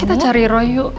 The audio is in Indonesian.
kita cari roy yuk